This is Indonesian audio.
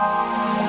s tenga air t greasy